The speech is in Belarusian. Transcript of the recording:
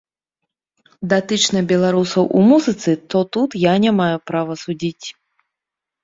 Датычна беларусаў у музыцы, то тут я не маю права судзіць.